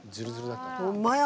ほんまや。